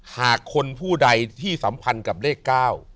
หากคนผู้ใดที่สัมพันธ์กับเลข๙